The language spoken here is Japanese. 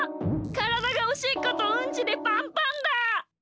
からだがおしっことうんちでパンパンだ！